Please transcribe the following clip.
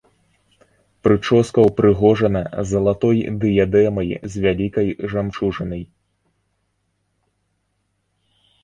Прычоска ўпрыгожана залатой дыядэмай з вялікай жамчужынай.